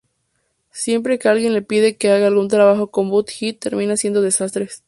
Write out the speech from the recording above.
Siempre que alguien le pide que haga algún trabajo con Butt-Head, termina haciendo desastres.